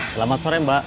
selamat sore mbak